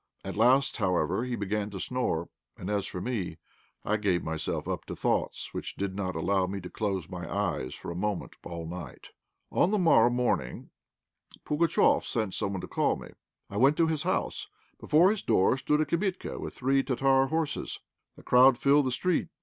At last, however, he began to snore, and as for me, I gave myself up to thoughts which did not allow me to close my eyes for a moment all night. On the morrow morning Pugatchéf sent someone to call me. I went to his house. Before his door stood a "kibitka" with three Tartar horses. The crowd filled the street.